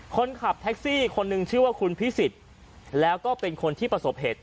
คนขับแท็กซี่คนหนึ่งชื่อว่าคุณพิสิทธิ์แล้วก็เป็นคนที่ประสบเหตุ